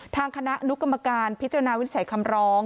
ทางคณะอนุกรรมการพิจารณาวินิจฉัยคำร้อง